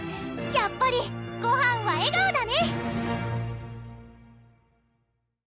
やっぱり「ごはんは笑顔」だね